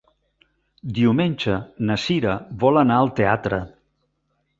Diumenge na Cira vol anar al teatre.